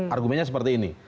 argumennya seperti ini